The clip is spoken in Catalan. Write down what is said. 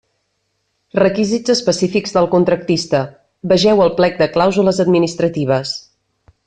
Requisits específics del contractista: vegeu el plec de clàusules administratives.